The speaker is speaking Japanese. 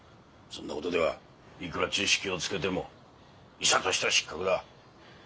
そんな事ではいくら知識をつけても医者としては失格だ。